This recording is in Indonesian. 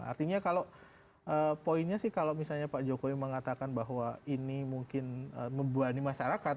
artinya kalau poinnya sih kalau misalnya pak jokowi mengatakan bahwa ini mungkin membebani masyarakat